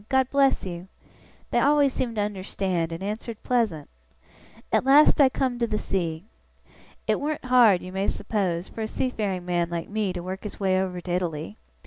God bless you!" they always seemed to understand, and answered pleasant. At last I come to the sea. It warn't hard, you may suppose, for a seafaring man like me to work his way over to Italy.